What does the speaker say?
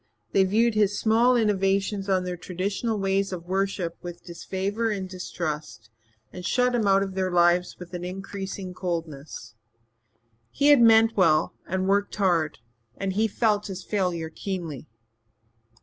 They viewed his small innovations on their traditional ways of worship with disfavour and distrust and shut him out of their lives with an ever increasing coldness. He had meant well and worked hard and he felt his failure keenly.